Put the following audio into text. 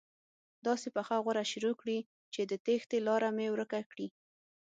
داسې پخه غوره شروع کړي چې د تېښتې لاره مې ورکه کړي.